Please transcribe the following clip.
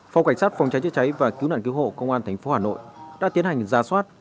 phòng cảnh sát phòng cháy chữa cháy và cứu nạn cứu hộ công an thành phố hà nội đã tiến hành giả soát